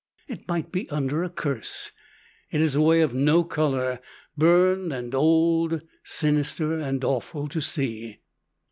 It might be under a curse; it is a way of no color, burned and old, sinister and awful to see.